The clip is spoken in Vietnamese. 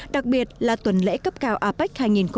đặc biệt là tuần lễ cấp cao apec hai nghìn một mươi bảy